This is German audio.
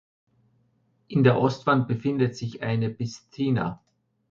In der Ostwand befindet sich eine Piscina.